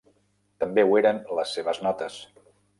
També ho eren les seves notes.